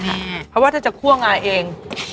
เพราะว่าถ้าจะคั่วงาเอง